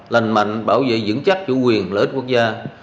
lành mạnh bảo vệ vững chắc chủ quyền lợi ích quốc gia